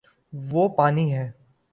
وہ پانی ہے